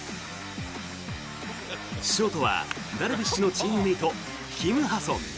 ショートはダルビッシュのチームメートキム・ハソン。